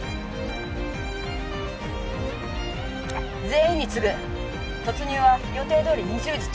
全員に告ぐ突入は予定どおり２０時